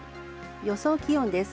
予想気温です。